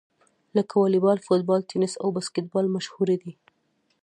لکه واليبال، فوټبال، ټېنیس او باسکیټبال مشهورې دي.